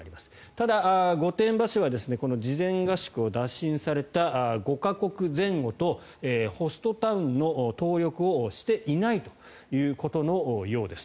ただ、御殿場市は事前合宿を打診された５か国前後とホストタウンの登録をしていないということのようです。